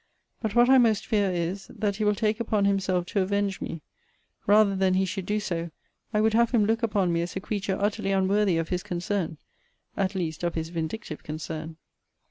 But what I most fear is, that he will take upon himself to avenge me. Rather than he should do so, I would have him look upon me as a creature utterly unworthy of his concern; at least of his vindictive concern.